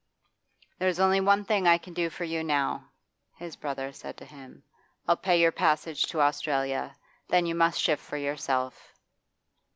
'There's only one thing I can do for you now,' his brother said to him. 'I'll pay your passage to Australia. Then you must shift for yourself.